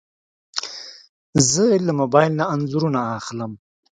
زه له موبایل نه انځورونه اخلم.